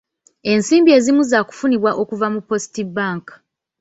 Ensimbi ezimu zaakufunibwa okuva mu Post Bank.